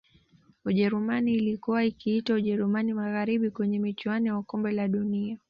Ujerumani ilkuwa ikiitwa Ujerumani Magharibi kwenye michuano ya kombe la dunia